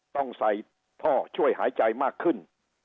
ต้องใส่ท่อช่วยหายใจมากขึ้น